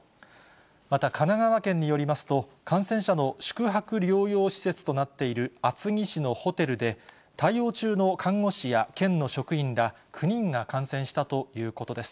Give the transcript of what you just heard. また、神奈川県によりますと、感染者の宿泊療養施設となっている厚木市のホテルで、対応中の看護師や県の職員ら９人が感染したということです。